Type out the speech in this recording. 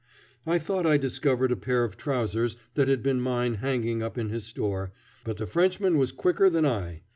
I thought I discovered a pair of trousers that had been mine hanging up in his store, but the Frenchman was quicker than I.